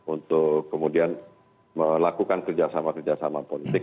untuk kemudian melakukan kerja sama kerja sama politik